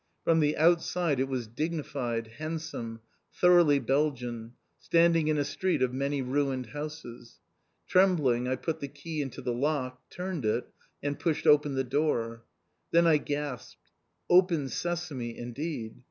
From the outside it was dignified, handsome, thoroughly Belgian, standing in a street of many ruined houses. Trembling, I put the key into the lock, turned it, and pushed open the door. Then I gasped. "Open Sesame" indeed!